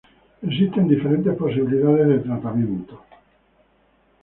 Existen diferentes posibilidades de tratamiento.